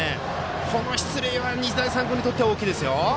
この出塁は日大三高にとっては大きいですよ。